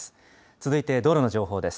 続いて道路の情報です。